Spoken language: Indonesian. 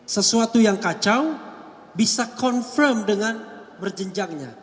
sesuatu yang kacau bisa confirm dengan berjenjangnya